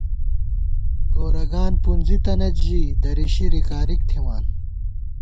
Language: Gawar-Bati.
گورَگان پُنزِی تنَئیت ژِی ، دَریشی رِکارِک تھمان